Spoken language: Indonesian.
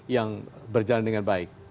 yang berjalan dengan baik